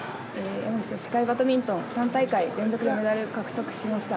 世界バドミントン３大会連続でメダルを獲得しました。